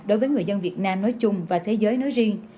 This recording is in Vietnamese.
đối với người dân việt nam nói chung và thế giới nói riêng